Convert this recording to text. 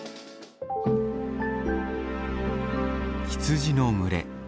羊の群れ。